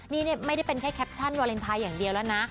นี่ไม่ได้เป็นแค่แคปชั่นวาเลนไทยอย่างเดียวแล้วนะ